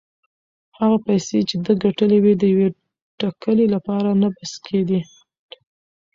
هغه پیسې چې ده ګټلې وې د یوې ټکلې لپاره نه بس کېدې.